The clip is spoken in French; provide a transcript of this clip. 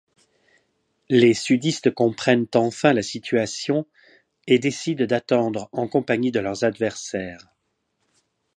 Les sudistes comprennent enfin la situation et décident d'attendre en compagnie de leurs adversaires.